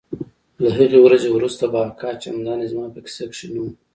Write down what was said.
له هغې ورځې وروسته به اکا چندانې زما په کيسه کښې نه و.